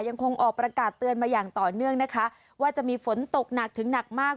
ยังคงออกประกาศเตือนมาอย่างต่อเนื่องนะคะว่าจะมีฝนตกหนักถึงหนักมาก